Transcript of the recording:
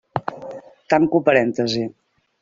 Tanco parèntesi.